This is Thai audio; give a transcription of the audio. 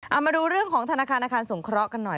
เอามาดูเรื่องของธนาคารอาคารสงเคราะห์กันหน่อย